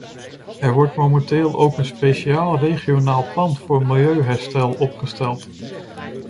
Er wordt momenteel ook een speciaal regionaal plan voor milieuherstel opgesteld.